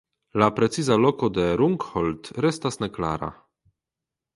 La preciza loko de Rungholt restas neklara.